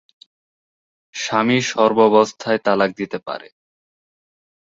স্বামী সর্বাবস্থায় তালাক দিতে পারেন।